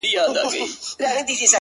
• په هفتو یې سره وکړل مجلسونه,